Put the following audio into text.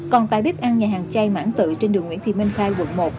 còn tại bếp ăn nhà hàng chay mãn tự trên đường nguyễn thị minh khai quận một